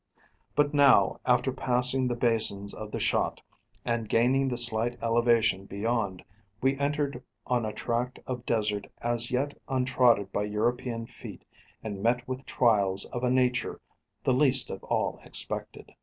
But now, after passing the basins of the Shott, and gaining the slight elevation beyond, we entered on a tract of desert as yet untrodden by European feet, and met with trials of a nature the least of all expected.